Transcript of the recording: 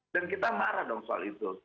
dan kita marah dong soal itu